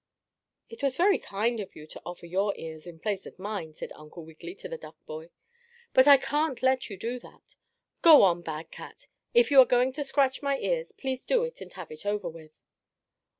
"It was very kind of you to offer your ears in place of mine," said Uncle Wiggily to the duck boy. "But I can't let you do that. Go on, bad cat, if you are going to scratch my ears, please do it and have it over with."